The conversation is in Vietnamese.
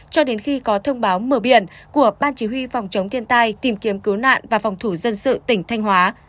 cho đến khi có thông báo mở biển của ban chỉ huy phòng chống thiên tai tìm kiếm cứu nạn và phòng thủ dân sự tỉnh thanh hóa